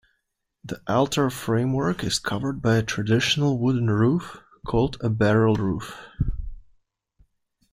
The altar framework is covered by a traditional wooden roof, called a barrel roof.